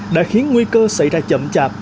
đã khiến nguy cơ xảy ra chậm chạp